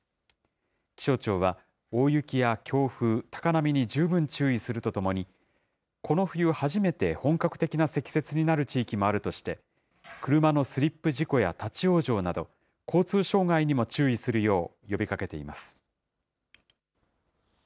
気象庁は大雪や強風、高波に十分注意するとともに、この冬初めて本格的な積雪になる地域もあるとして、車のスリップ事故や立往生など、交通障害にも注意するよう呼びかけています。